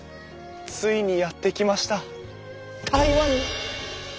ついにやって来ました台湾に！